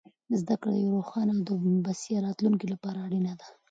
زده کړه د یوې روښانه او بسیا راتلونکې لپاره اړینه ده.